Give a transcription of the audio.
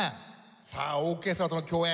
さあオーケストラとの共演